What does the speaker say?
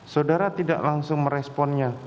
saudara tidak langsung meresponnya